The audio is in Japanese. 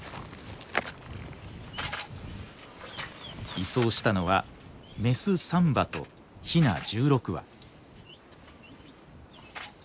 移送したのはメス３羽とヒナ１６羽。